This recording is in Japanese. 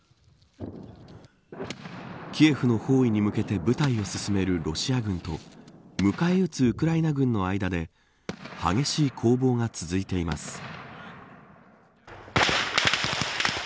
キエフの包囲に向けて部隊を進めるロシア軍と迎え撃つウクライナ軍の間で激しい攻防が続いています。